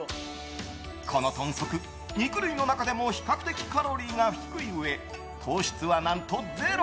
この豚足、肉類の中でも比較的カロリーが低いうえ糖質は何とゼロ！